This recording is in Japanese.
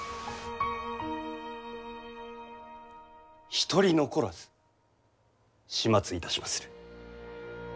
一人残らず始末いたしまする。